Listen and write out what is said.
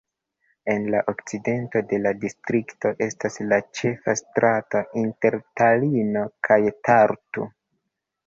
En la okcidento de la distrikto estas la ĉefa strato inter Talino kaj Tartu.